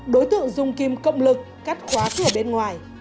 đối tượng dùng kim cộng lực cắt khóa cửa bên ngoài